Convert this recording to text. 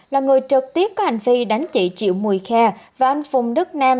là người trực tiếp có hành vi đánh chị triệu mùi khe và anh phùng đức nam